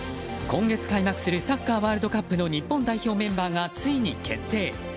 今月開幕するサッカーワールドカップの日本代表メンバーがついに決定。